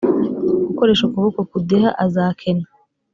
ukoresha ukuboko kudeha azakena